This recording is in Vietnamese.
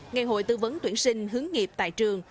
ngày hội tư vấn tuyển sinh hướng nghiệp tại trường